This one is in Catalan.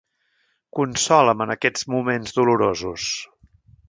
Consola'm en aquests moments dolorosos.